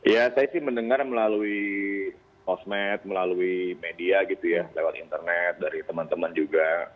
ya saya sih mendengar melalui sosmed melalui media gitu ya lewat internet dari teman teman juga